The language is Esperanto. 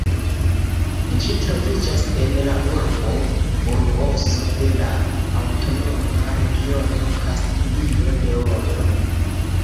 Ĝi troviĝas en la urbo Burgoso de la aŭtonoma regiono Kastilio-Leono.